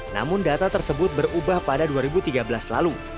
namun data tersebut berubah pada dua ribu tiga belas lalu